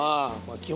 基本